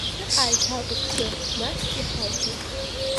Уԥсы ааиҭак, уԥсы, нас иҳауҳәап.